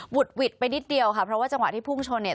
ดหวิดไปนิดเดียวค่ะเพราะว่าจังหวะที่พุ่งชนเนี่ย